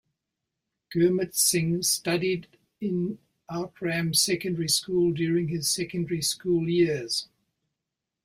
Gurmit Singh studied in Outram Secondary School during his secondary school years.